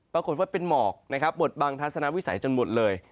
ปรากฏว่าเป็นหมอกบดบังทัศนาวิสัยจนบดเลย